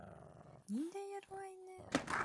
Ниндәй йырлай ине!